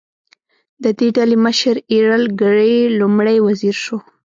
د دې ډلې مشر ایرل ګرې لومړی وزیر شو.